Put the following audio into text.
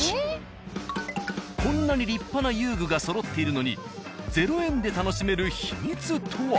［こんなに立派な遊具が揃っているのに０円で楽しめる秘密とは］